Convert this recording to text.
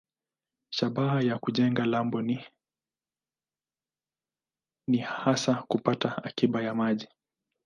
Shabaha ya kujenga lambo ni hasa kupata akiba ya maji.